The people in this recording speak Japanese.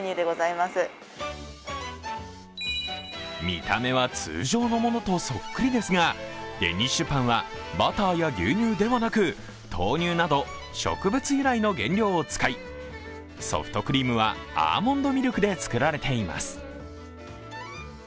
見た目は通常のものとそっくりですがデニッシュパンはバターや牛乳ではなく豆乳など植物由来の原料を使いソフトクリームはアーモンドミルクで作られています。